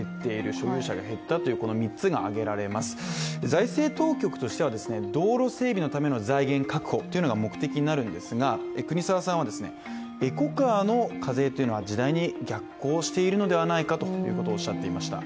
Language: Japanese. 財政当局としては道路整備のための財源確保が目的になるんですが、国沢さんはエコカーの課税というのは時代に逆行しているのではないかということをおっしゃっていました。